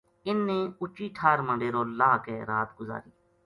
اِنھ نے اُچی ٹھار ما ڈیرو لاہ کے رات گزاری